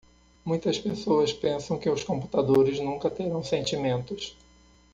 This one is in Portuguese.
Muitas pessoas pensam que os computadores nunca terão sentimentos.